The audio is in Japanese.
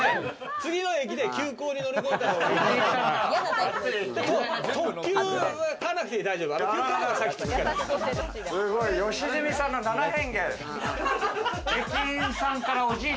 次の駅で急行に乗り込んだほうがいい。